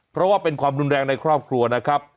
เพราะว่าเป็นความรุนแรงในครอบครัวนะครับ